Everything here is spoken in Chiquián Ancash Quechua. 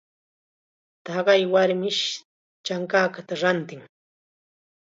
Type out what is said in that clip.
Taqay warmish chankakata rantin.